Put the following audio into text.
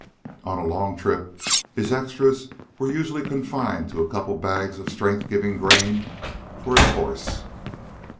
On a long trip his "extras" were usually confined to a couple of bags of strength giving grain for his horse.